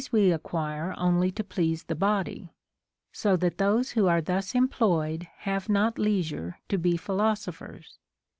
we acquire only to please the body ; so that those who are thus employed have not leisure to be philosophers.